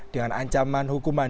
dengan ancaman hukuman dua